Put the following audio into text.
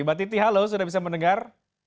mbak titi halo sudah bisa mendengar